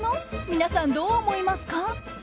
皆さん、どう思いますか？